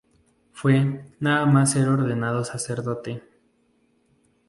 Fue, nada más ser ordenado sacerdote.